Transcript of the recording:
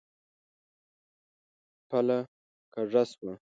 پله کږه شوه.